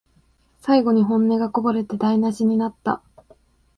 最後に本音がこぼれて台なしになった